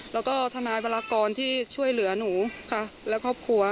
แล้วก็ทนายบรากรที่ช่วยเหลือหนูค่ะและครอบครัว